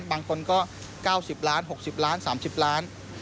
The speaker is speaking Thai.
บางคนก็๙๐ล้าน๖๐ล้าน๓๐ล้าน